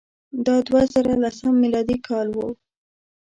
دا د دوه زره لسم میلادي کال وو.